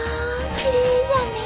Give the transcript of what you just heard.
きれいじゃね！